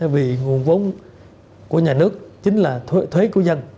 vì nguồn vốn của nhà nước chính là thuế của dân